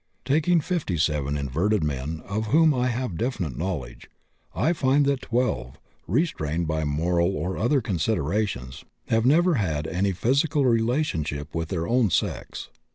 Taking 57 inverted men of whom I have definite knowledge, I find that 12, restrained by moral or other considerations, have never had any physical relationship with their own sex.